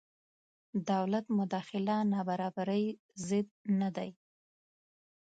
دولت مداخله نابرابرۍ ضد نه دی.